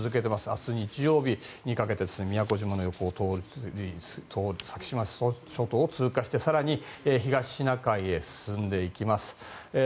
明日日曜日にかけて先島諸島を通過して更に東シナ海へ進んでいきます。